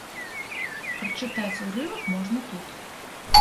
Прачытаць урывак можна тут.